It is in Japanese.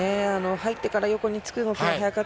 入ってから横につくのが速か